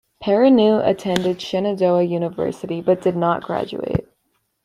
Perrineau attended Shenandoah University, but did not graduate.